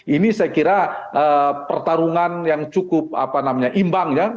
ini saya kira pertarungan yang cukup imbang ya